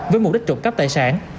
với mục đích trộm cắp tài sản